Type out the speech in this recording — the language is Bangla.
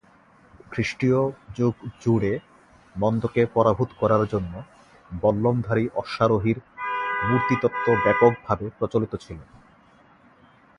খ্রিস্টীয় যুগ জুড়ে মন্দকে পরাভূত করার জন্য বল্লমধারী অশ্বারোহীর মূর্তিতত্ত্ব ব্যাপকভাবে প্রচলিত ছিল।